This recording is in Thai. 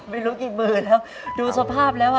ไม่รู้กี่หมื่นแล้วดูสภาพแล้วอ่ะ